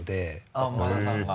あっ馬田さんが？